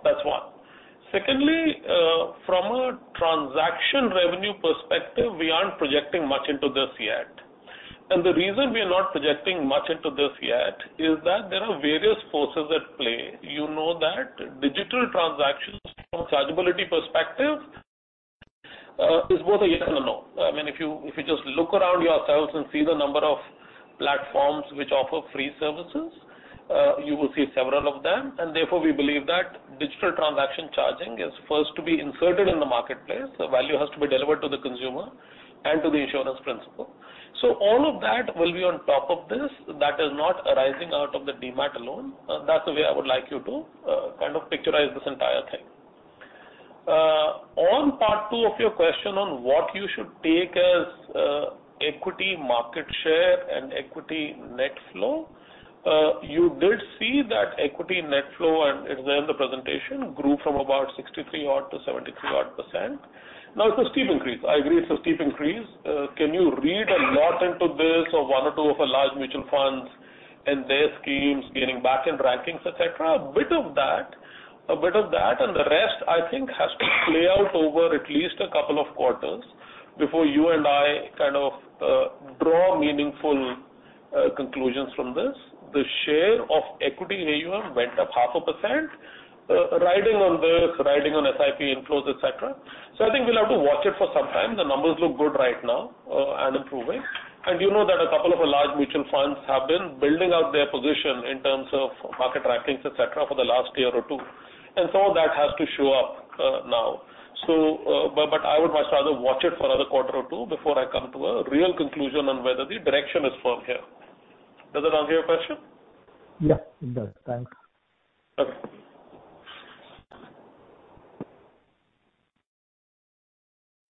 That's one. Secondly, from a transaction revenue perspective, we aren't projecting much into this yet. The reason we are not projecting much into this yet is that there are various forces at play. You know that digital transactions from chargeability perspective It's both a yes and a no. I mean, if you just look around yourselves and see the number of platforms which offer free services, you will see several of them, and therefore we believe that digital transaction charging is first to be inserted in the marketplace. The value has to be delivered to the consumer and to the insurance principle. All of that will be on top of this. That is not arising out of the Demat alone. That's the way I would like you to kind of picturize this entire thing. On part two of your question on what you should take as equity market share and equity net flow. You did see that equity net flow, and it's there in the presentation, grew from about 63% odd to 73% odd percent. It's a steep increase. I agree it's a steep increase. Can you read a lot into this or one or two of a large mutual funds and their schemes gaining back-end rankings, etc? A bit of that. A bit of that, and the rest, I think, has to play out over at least a couple of quarters before you and I kind of draw meaningful conclusions from this. The share of equity AUM went up 0.5%, riding on this, riding on SIP inflows, etc. I think we'll have to watch it for some time. The numbers look good right now, and improving. You know that a couple of large mutual funds have been building out their position in terms of market rankings, etc, for the last year or two, and some of that has to show up now. I would much rather watch it for another quarter or two before I come to a real conclusion on whether the direction is firm here. Does that answer your question? Yeah, it does. Thanks. Okay.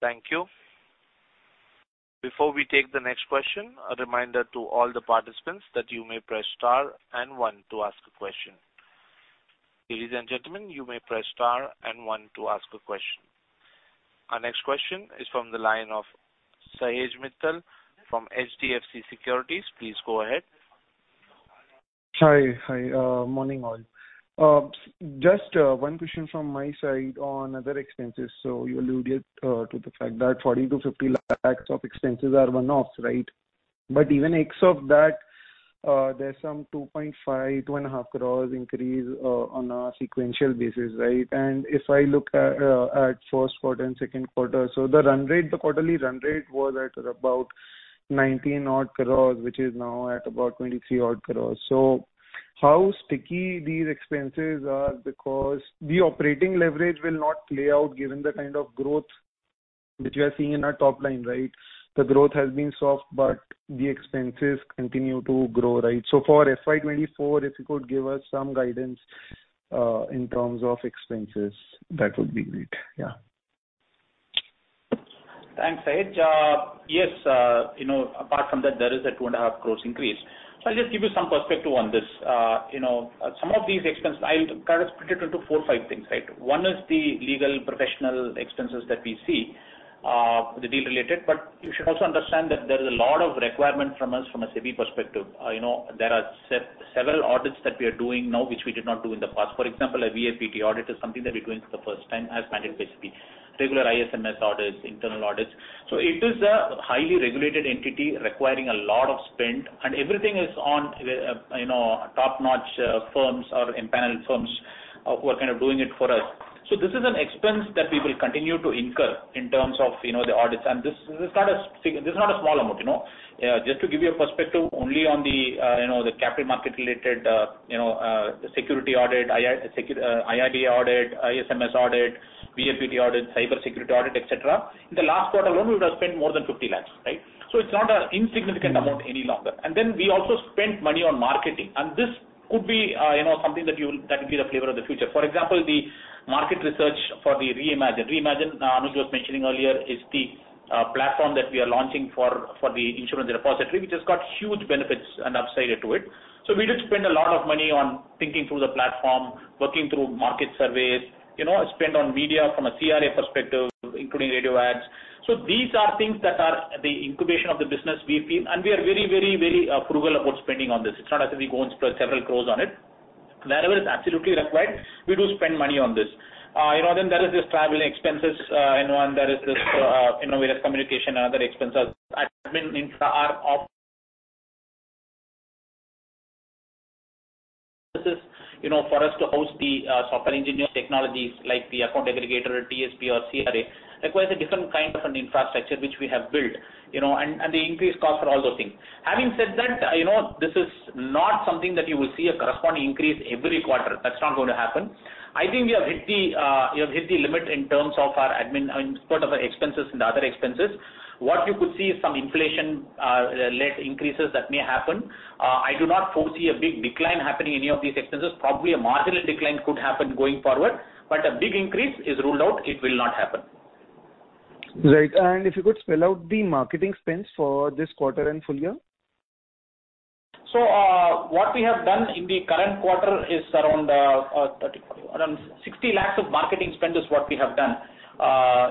Thank you. Before we take the next question, a reminder to all the participants that you may press star and one to ask a question. Ladies and gentlemen, you may press star and one to ask a question. Our next question is from the line of Sahej Mittal from HDFC Securities. Please go ahead. Hi. Hi. Morning all. Just one question from my side on other expenses. You alluded to the fact that 40 lakhs-50 lakhs of expenses are one-off, right? Even X of that, there's some 2.5 crores increase on a sequential basis, right? If I look at first quarter and second quarter, the run rate, the quarterly run rate was at about 19 odd crores, which is now at about 23 odd crores. How sticky these expenses are because the operating leverage will not play out given the kind of growth which we are seeing in our top line, right? The growth has been soft, the expenses continue to grow, right? For FY 2024, if you could give us some guidance in terms of expenses, that would be great. Yeah. Thanks, Sahej. Yes, you know, apart from that, there is a 2.5 crores increase. I'll just give you some perspective on this. You know, some of these expenses I'll kind of split it into four or five things, right? One is the legal professional expenses that we see, the deal related. You should also understand that there is a lot of requirement from us from a SEBI perspective. You know, there are several audits that we are doing now, which we did not do in the past. For example, a VAPT audit is something that we're doing for the first time as CAMS PSP. Regular ISMS audits, internal audits. It is a highly regulated entity requiring a lot of spend, and everything is on, you know, top-notch firms or empanelled firms who are kind of doing it for us. This is an expense that we will continue to incur in terms of, you know, the audits. This is not a small amount, you know. Just to give you a perspective only on the, you know, the capital market related, you know, security audit, IRDAI audit, ISMS audit, VAPT audit, cybersecurity audit, etc. In the last quarter alone, we would have spent more than 50 lakhs, right? It's not an insignificant amount any longer. We also spent money on marketing, and this could be, you know, something that could be the flavor of the future. For example, the market research for the Reimagine. Reimagine, Anuj was mentioning earlier, is the platform that we are launching for the insurance repository, which has got huge benefits and upside to it. We did spend a lot of money on thinking through the platform, working through market surveys, you know, spend on media from a CRA perspective, including radio ads. These are things that are the incubation of the business we feel and we are very, very, very approval about spending on this. It's not as if we go and spend several crores on it. Wherever it's absolutely required, we do spend money on this. You know, then there is this travel expenses, you know, and there is this, you know, various communication and other expenses. Admin infra are... This is, you know, for us to host the software engineers technologies like the account aggregator, TSP or CRA, requires a different kind of an infrastructure which we have built, you know, and the increased cost for all those things. Having said that, you know, this is not something that you will see a corresponding increase every quarter. That's not going to happen. I think we have hit the limit in terms of our admin and part of our expenses and the other expenses. What you could see is some inflation led increases that may happen. I do not foresee a big decline happening in any of these expenses. Probably a marginal decline could happen going forward, but a big increase is ruled out. It will not happen. Right. If you could spell out the marketing spends for this quarter and full year. What we have done in the current quarter is around 60 lakhs of marketing spend is what we have done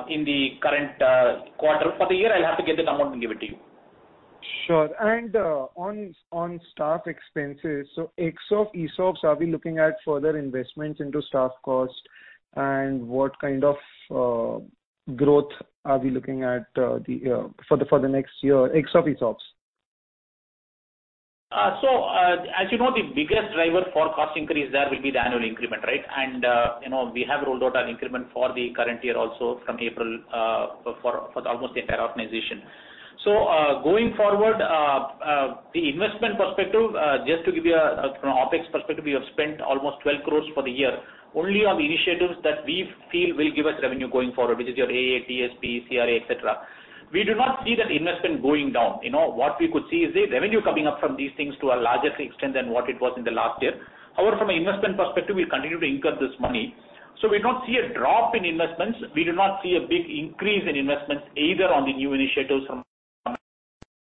in the current quarter. For the year, I'll have to get that amount and give it to you. Sure. On staff expenses, X of ESOPs, are we looking at further investments into staff costs? What kind of growth are we looking at for the next year, X of ESOPs? As you know, the biggest driver for cost increase there will be the annual increment, right? You know, we have rolled out an increment for the current year also from April, for almost the entire organization. Going forward, the investment perspective, just to give you a, from an OpEx perspective, we have spent almost 12 crores for the year only on initiatives that we feel will give us revenue going forward, which is your AA, TSP, CRA, et cetera. We do not see that investment going down. You know, what we could see is the revenue coming up from these things to a larger extent than what it was in the last year. However, from an investment perspective, we'll continue to incur this money. We don't see a drop in investments. We do not see a big increase in investments either on the new initiatives from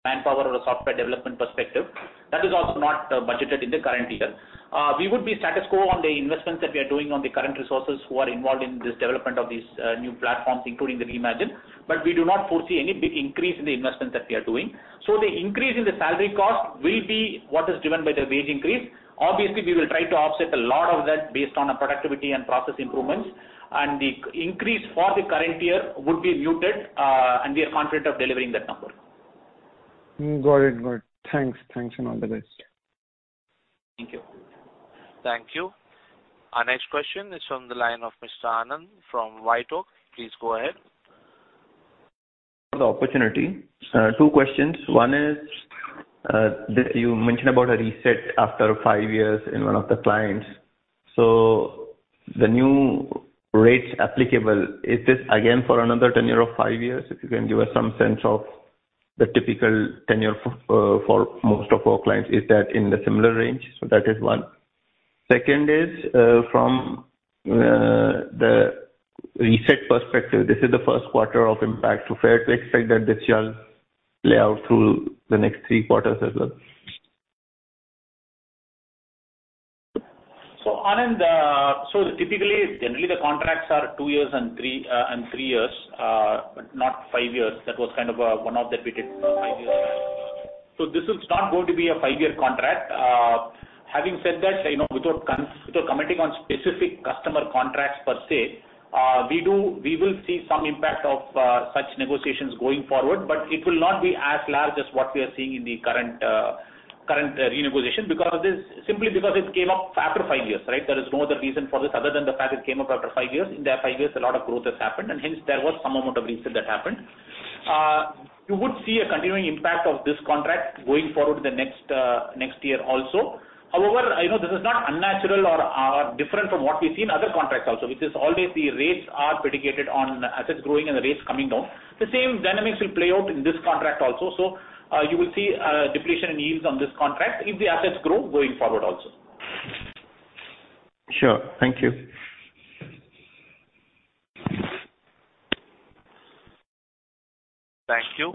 manpower or a software development perspective. That is also not budgeted in the current year. We would be status quo on the investments that we are doing on the current resources who are involved in this development of these new platforms, including the Reimagine, but we do not foresee any big increase in the investment that we are doing. The increase in the salary cost will be what is driven by the wage increase. Obviously, we will try to offset a lot of that based on a productivity and process improvements. The increase for the current year would be muted, and we are confident of delivering that number. Got it. Got it. Thanks. Thanks and all the best. Thank you. Thank you. Our next question is from the line of Mr. Anand from White Oak. Please go ahead. For the opportunity. Two questions. One is that you mentioned about a reset after five years in one of the clients. The new rates applicable, is this again for another tenure of five years? If you can give us some sense of the typical tenure for most of our clients, is that in the similar range? That is one. Second is from the reset perspective, this is the first quarter of impact. Fair to expect that this shall play out through the next three quarters as well. Anand, typically, generally the contracts are two years and three years, but not five years. That was kind of one of that we did five years back. This is not going to be a five-year contract. Having said that, you know, without commenting on specific customer contracts per se, we will see some impact of such negotiations going forward, but it will not be as large as what we are seeing in the current renegotiation simply because it came up after five years, right? There is no other reason for this other than the fact it came up after five years. In that five years, a lot of growth has happened, and hence there was some amount of reset that happened. You would see a continuing impact of this contract going forward to the next year also. I know this is not unnatural or different from what we see in other contracts also, which is always the rates are predicated on assets growing and the rates coming down. The same dynamics will play out in this contract also. You will see depletion in yields on this contract if the assets grow going forward also. Sure. Thank you. Thank you.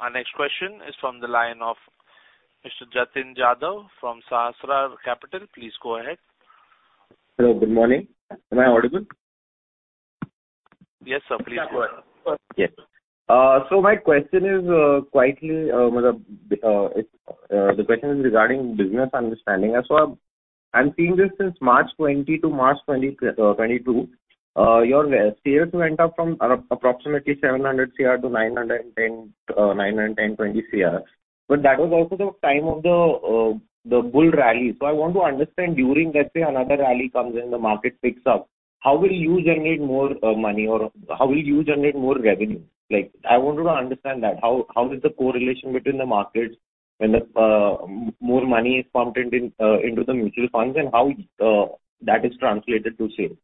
Our next question is from the line of Mr. Jatin Jadhav from Sahasrar Capital. Please go ahead. Hello, good morning. Am I audible? Yes, sir. Please go ahead. Yes. My question is, quietly, it's the question is regarding business understanding. I'm seeing this since March 20 to March 27 2022. Your CS went up from approximately 700 CR to 910 20 CR. That was also the time of the bull rally. I want to understand during, let's say, another rally comes in, the market picks up, how will you generate more money or how will you generate more revenue? Like, I wanted to understand that. How is the correlation between the markets when more money is pumped into the mutual funds and how that is translated to sales?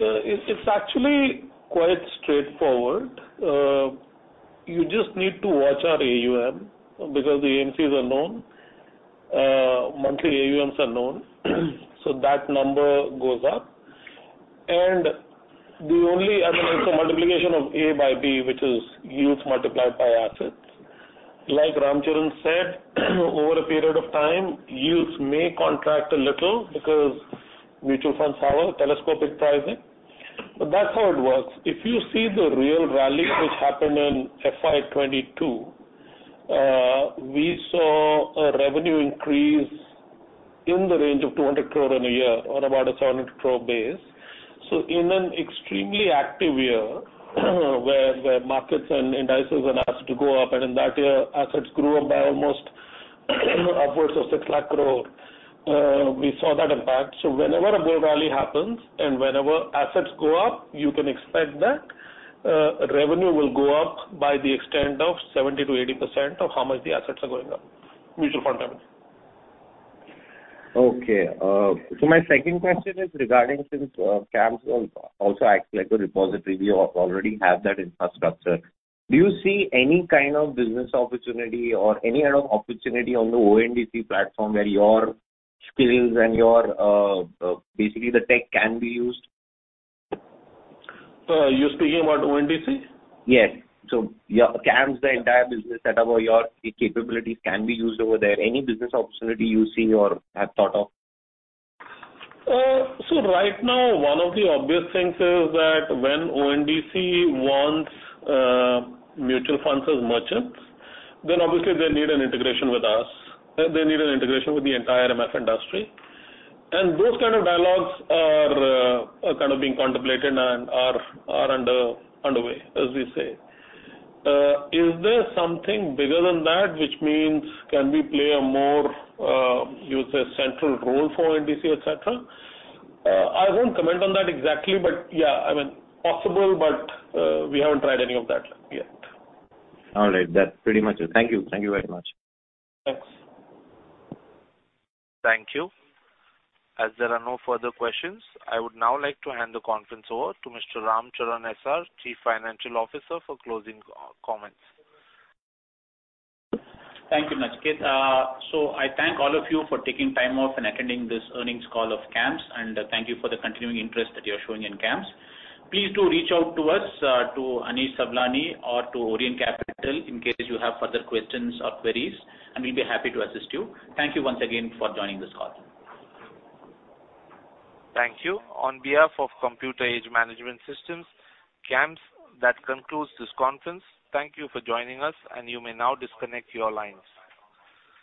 It's actually quite straightforward. You just need to watch our AUM because the AMCs are known, monthly AUMs are known, that number goes up. I mean, it's a multiplication of A by B, which is yields multiplied by assets. Like Ram Charan said, over a period of time, yields may contract a little because mutual funds follow telescopic pricing. That's how it works. If you see the real rally which happened in FY 2022, we saw a revenue increase in the range of 200 crore in a year on about a 700 crore base. In an extremely active year where markets and indices and assets go up, in that year, assets grew up by almost upwards of 6 lakh crore, we saw that impact. Whenever a bull rally happens and whenever assets go up, you can expect that revenue will go up by the extent of 70%-80% of how much the assets are going up, mutual fund average. Okay. My second question is regarding since CAMS also acts like a repository, we already have that infrastructure. Do you see any kind of business opportunity or any kind of opportunity on the ONDC platform where your skills and your basically the tech can be used? You're speaking about ONDC? Yes. Your CAMS, the entire business setup or your capabilities can be used over there. Any business opportunity you see or have thought of? Right now, one of the obvious things is that when ONDC wants mutual funds as merchants, then obviously they need an integration with us. They need an integration with the entire MF industry. Those kind of dialogues are kind of being contemplated and are under underway, as we say. Is there something bigger than that, which means can we play a more user central role for ONDC, et cetera? I won't comment on that exactly, but yeah, I mean, possible, but we haven't tried any of that yet. All right. That's pretty much it. Thank you. Thank you very much. Thanks. Thank you. As there are no further questions, I would now like to hand the conference over to Mr. Ram Charan SR, Chief Financial Officer, for closing co-comments. Thank you, Nachiket. I thank all of you for taking time off and attending this earnings call of CAMS, and thank you for the continuing interest that you're showing in CAMS. Please do reach out to us, to Anish Sabhlani or to Orient Capital in case you have further questions or queries, and we'll be happy to assist you. Thank you once again for joining this call. Thank you. On behalf of Computer Age Management Services, CAMS, that concludes this conference. Thank you for joining us, and you may now disconnect your lines.